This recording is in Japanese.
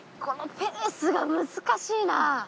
このペースが難しいな。